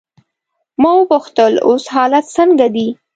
ما وپوښتل: اوس حالات څنګه دي؟